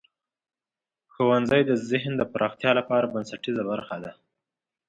ښوونځی د ذهن د پراختیا لپاره بنسټیزه برخه ده.